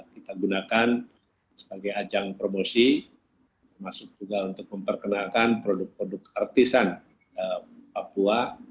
kita gunakan sebagai ajang promosi termasuk juga untuk memperkenalkan produk produk artisan papua